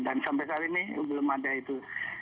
dan sampai kali ini belum ada itu